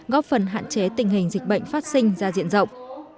góp phần hạn chế tình hình dịch bệnh phát sinh ra diện rộng